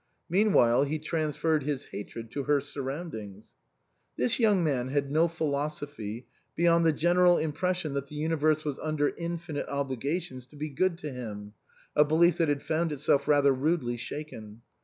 Meanwhile he transferred his hatred to her surroundings. This young man had no philosophy beyond the general impression that the universe was under infinite obligations to be good to him, a belief that had found itself rather rudely shaken.